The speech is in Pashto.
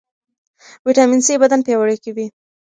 ویټامین سي بدن پیاوړی کوي.